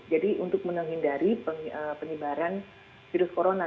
jadi untuk menenghindari penyebaran virus corona